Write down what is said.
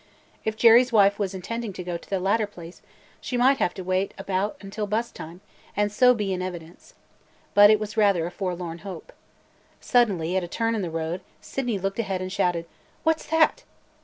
If Jerry's wife was intending to go to the latter place, she might have to wait about till bus time and so be in evidence. But it was rather a forlorn hope. Suddenly, at a turn in the road, Sydney looked ahead and shouted: "What 's that?"